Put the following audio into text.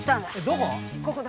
どこ？